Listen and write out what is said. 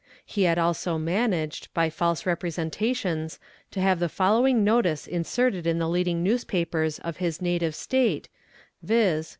He had also managed, by false representations, to have the following notice inserted in the leading newspapers of his native State, viz.